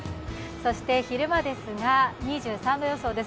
そして昼間ですが、２３度予想です。